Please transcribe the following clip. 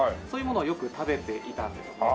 そういうものをよく食べていたんですね。